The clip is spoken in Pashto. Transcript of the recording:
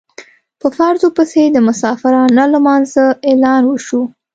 په فرضو پسې د مسافرانه لمانځه اعلان وشو.